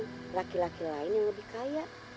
untuk laki laki lain yang lebih kaya